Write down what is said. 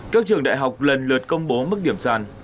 các trường đại học lần lượt công bố mức điểm sàn